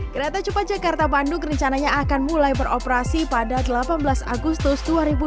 kereta cepat jakarta bandung rencananya akan mulai beroperasi pada delapan belas agustus dua ribu dua puluh